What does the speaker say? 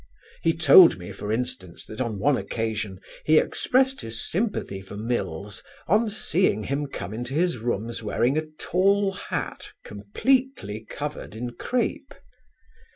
He told me for instance that on one occasion he expressed his sympathy for Mills on seeing him come into his rooms wearing a tall hat completely covered in crape.